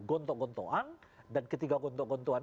gontok gontohan dan ketiga gontoh gontohan